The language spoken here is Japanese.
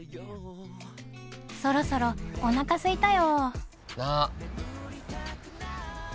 そろそろおなか空いたよ。